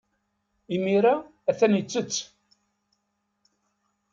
Imir-a, atan yettett.